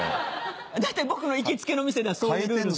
大体僕の行きつけの店ではそういうルールで。